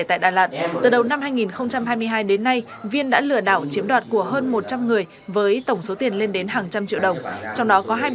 sau khi thu thập đầy đủ tiền viên đã lừa đảo chiếm đoạt của hơn một trăm linh người với tổng số tiền lên đến hàng trăm triệu đồng